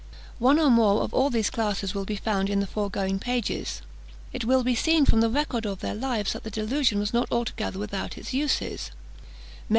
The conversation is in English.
One or more of all these classes will be found in the foregoing pages. It will be seen, from the record of their lives, that the delusion was not altogether without its uses.